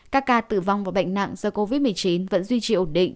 các ca tử vong và bệnh nặng do covid một mươi chín vẫn duy trì ổn định